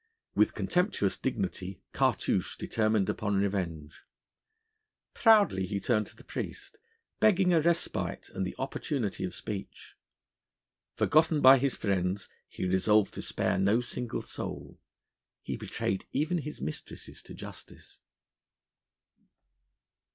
With contemptuous dignity Cartouche determined upon revenge: proudly he turned to the priest, begging a respite and the opportunity of speech. Forgotten by his friends, he resolved to spare no single soul: he betrayed even his mistresses to justice.